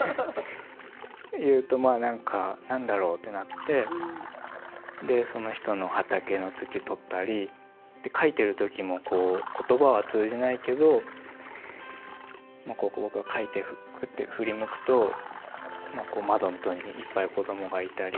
言うとまあ何か「何だろう？」ってなってでその人の畑の土とったり描いてる時も言葉は通じないけどこう僕が描いてこうやって振り向くと窓のとこにいっぱい子供がいたり。